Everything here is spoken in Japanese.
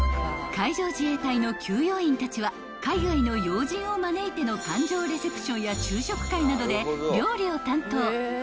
［海上自衛隊の給養員たちは海外の要人を招いての艦上レセプションや昼食会などで料理を担当］